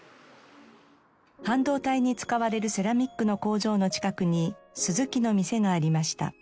半導体に使われるセラミックの工場の近くに錫器の店がありました。